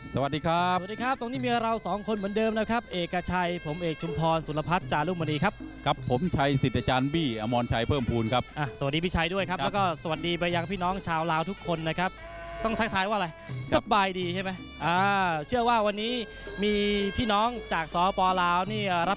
สวัสดีครับสวัสดีครับตรงนี้มีเราสองคนเหมือนเดิมนะครับเอกชัยผมเอกชุมพรสุรพัฒน์จารุมณีครับกับผมชัยสิทธิ์อาจารย์บี้อมรชัยเพิ่มภูมิครับสวัสดีพี่ชัยด้วยครับแล้วก็สวัสดีไปยังพี่น้องชาวลาวทุกคนนะครับต้องทักทายว่าอะไรสบายดีใช่ไหมอ่าเชื่อว่าวันนี้มีพี่น้องจากสปลาวนี่รับ